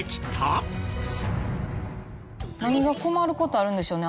何が困る事あるんでしょうね？